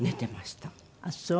ああそう。